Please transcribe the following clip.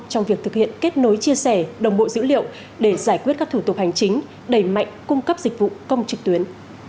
trong việc thực hiện kết nối chia sẻ đồng bộ dữ liệu để giải quyết các thủ tục hành chính đẩy mạnh cung cấp dịch vụ công trực tuyến